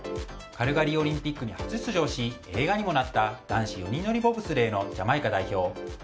カルガリーオリンピックに初出場し、映画にもなった男子４人乗りボブスレーのジャマイカ代表。